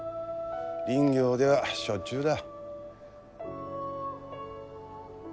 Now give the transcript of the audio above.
林業ではしょっちゅうだ。